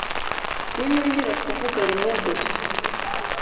ninongera kuvuga rimwe gusa